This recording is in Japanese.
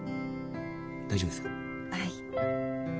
はい。